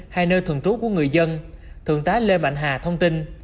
hay nơi thường trú của người dân thượng tá lê mạnh hà thông tin